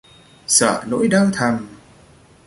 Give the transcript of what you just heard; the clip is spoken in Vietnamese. Sợ nỗi đau thầm